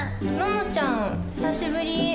野乃ちゃん久しぶり。